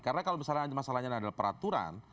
karena kalau masalahnya adalah peraturan